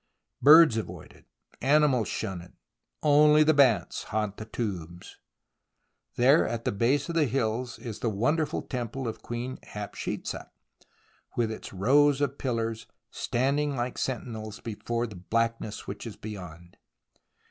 Birds avoid it, animals shun it, only the bats haunt the tombs. There at the base of the hills is the wonderful temple of Queen Hatshepsut, with its rows of pillars standing like sentinels before the blackness which is beyond.